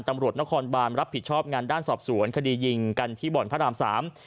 ตำรวจนครบานรับผิดชอบงานด้านสอบสวนคดียิงกันที่บ่อนพระรามสาม